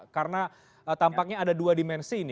karena tampaknya ada dua dimensi ini